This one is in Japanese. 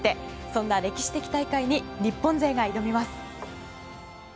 そんな歴史的大会に日本勢が挑みます。